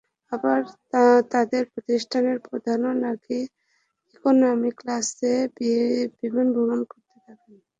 আবার তাদের প্রতিষ্ঠানের প্রধানও নাকি ইকোনমি ক্লাসে বিমান ভ্রমণ করে থাকেন।